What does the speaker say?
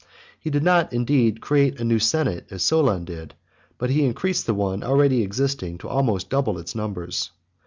He did not, indeed, create a new senate, as Solon did, but he increased the one already existing to almost double its numbers.